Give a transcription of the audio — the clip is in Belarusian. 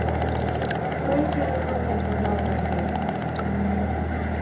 Колькі разоў я казаў пра гэта.